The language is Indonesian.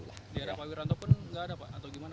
di arab hukum rantau pun tidak ada